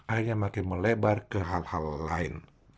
akhirnya makin melebar ke hal hal lain